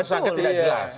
pansus agak tidak jelas